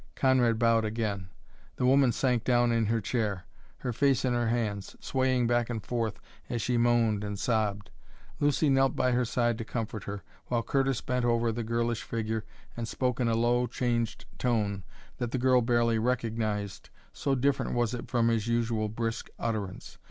Conrad bowed again. The woman sank down in her chair, her face in her hands, swaying back and forth as she moaned and sobbed. Lucy knelt by her side to comfort her, while Curtis bent over the girlish figure and spoke in a low, changed tone that the girl barely recognized, so different was it from his usual brisk utterance.